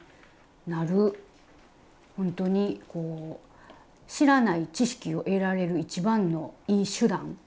ほんとに知らない知識を得られる一番のいい手段。